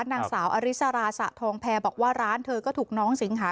นางสาวอริสราสะทองแพรบอกว่าร้านเธอก็ถูกน้องสิงหา